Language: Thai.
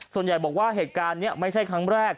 ส่วนใหญ่บอกว่าเหตุการณ์นี้ไม่ใช่ครั้งแรก